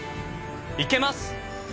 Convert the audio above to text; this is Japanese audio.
いけます！